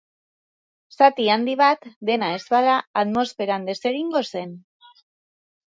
Zati handi bat, dena ez bada, atmosferan desegingo zen.